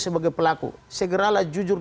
sebagai pelaku segeralah jujur